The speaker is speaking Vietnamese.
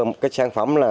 một cái sản phẩm là